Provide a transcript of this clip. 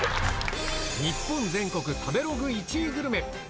日本全国食べログ１位グルメ。